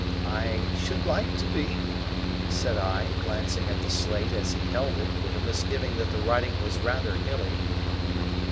"I should like to be," said I, glancing at the slate as he held it; with a misgiving that the writing was rather hilly.